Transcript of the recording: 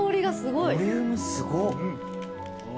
ボリュームすごっ。